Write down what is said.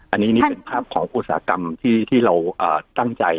อันนี้นี่เป็นภาพของอุตสาหกรรมที่เราตั้งใจ